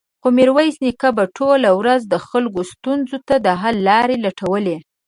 خو ميرويس نيکه به ټوله ورځ د خلکو ستونزو ته د حل لارې لټولې.